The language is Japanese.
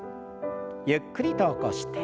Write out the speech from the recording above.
ゆっくりと起こして。